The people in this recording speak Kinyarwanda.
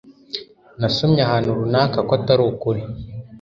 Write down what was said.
Nasomye ahantu runaka ko atari ukuri